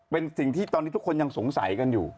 เป็นสิ่งที่ตอนนี้ทุกคนยังสงสัยกันอยู่